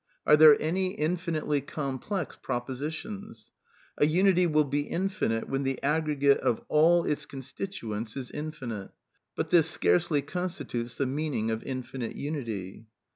... Are there any infinitely complex propositionflt ... A unity will be infinite when the aggregate of all its con stituents is infinite; but this scarcely constitutes the meaning of infinite unity.